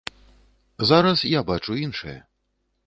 Зараз я бачу іншае.